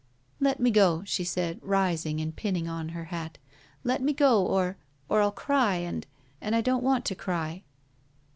''Let me go," she said, rising and pinning on her hat; "let me go — or — or I'll cry, and — and I don't want to cry."